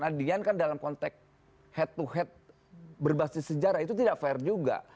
nah dian kan dalam konteks head to head berbasis sejarah itu tidak fair juga